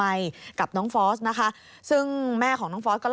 แล้วเป็นของคนไก็อย่างคงคงเอาต้อง